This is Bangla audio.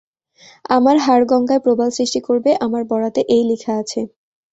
আমার হাড় গঙ্গায় প্রবাল সৃষ্টি করবে, আমার বরাতে এই লেখা আছে।